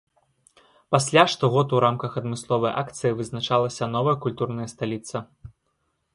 Пасля штогод у рамках адмысловай акцыі вызначалася новая культурная сталіца.